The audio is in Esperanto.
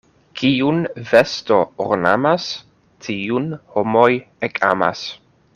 Kiun vesto ornamas, tiun homoj ekamas.